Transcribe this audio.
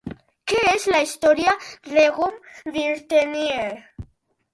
Què és la Historia Regum Birtanniae?